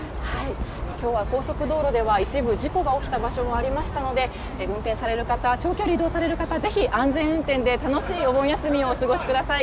きょうは高速道路では一部、事故が起きた場所もありましたので、運転される方、長距離移動される方、ぜひ安全運転で、楽しいお盆休みをお過ごしください。